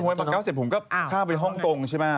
เมื่อมาเก้าเสร็จผมก็ท่าไปฮ่องกงใช่ไหม